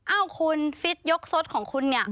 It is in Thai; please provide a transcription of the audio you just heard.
เอ้าคุณฟิตยกสดของคุณเนี่ย